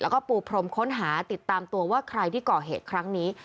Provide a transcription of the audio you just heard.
แล้วก็ปูพรมค้นหาติดตามตัวว่าใครที่ก่อเหตุครั้งนี้